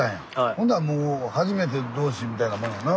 ほんだらもう初めて同士みたいなもんやな。